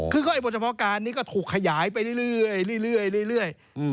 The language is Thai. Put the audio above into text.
คือก็บทพการณ์นี้ก็ถูกขยายไปเรื่อย